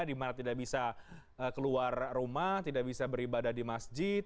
di mana tidak bisa keluar rumah tidak bisa beribadah di masjid